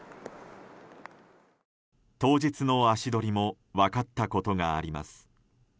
当日の足取りも分かったことがあります。